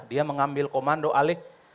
dia mengambil komando alih